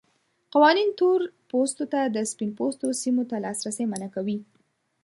قوانین تور پوستو ته د سپین پوستو سیمو ته لاسرسی منع کوي.